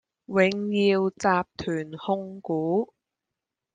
永耀集團控股